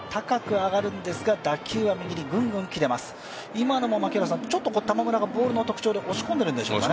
今のもちょっと玉村がボールの特徴で押し込んでいるんでしょうかね。